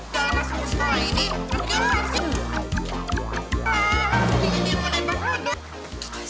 jalanan semua semua ini tapi yang terakhir